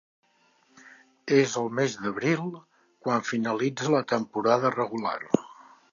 És el mes d'abril quan finalitza la temporada regular.